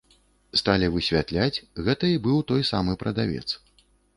Сталі высвятляць, гэта і быў той самы прадавец.